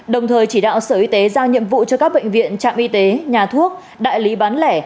đồng thời chỉ đạo sở y tế giao nhiệm vụ cho các bệnh viện trạm y tế nhà thuốc đại lý bán lẻ